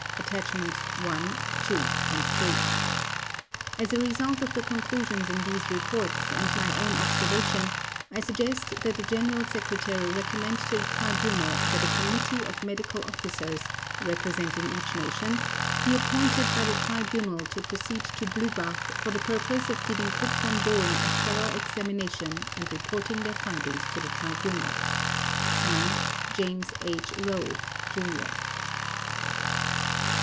(Attachments I, II, and III). As a result of the conclusions in these reports and my own observation, I suggest that the General Secretary recommend to the Tribunal that a committee of medical officers, representing each nation, be appointed by the Tribunal to proceed to Blühbach for the purpose of giving Krupp von Bohlen a thorough examination and reporting their findings to the Tribunal. /s/ JAMES H. ROWE, JR.